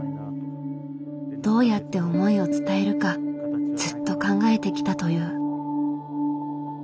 どうやって思いを伝えるかずっと考えてきたという。